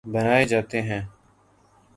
بنائے جاتے ہیں